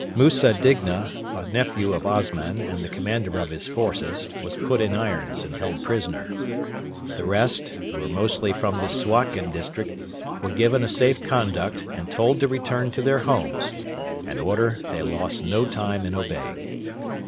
Musa Digna, a nephew of Osman and the commander of his forces, was put in irons and held prisoner. The rest, who were mostly from the Suakin district, were given a safe conduct, and told to return to their homes an order they lost no time in obeying.